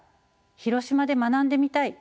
「広島で学んでみたい」